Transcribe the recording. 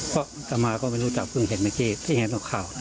เพราะอัตมาก็ไม่รู้จักเพิ่งเห็นเมื่อกี้ที่เห็นกับข่าว